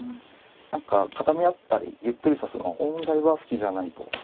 何か固め合ったりゆっくり指すのは本来は好きじゃないと。